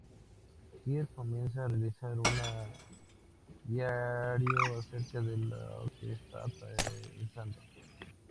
Kirk comienza a realizar un diario acerca de lo que está pasando.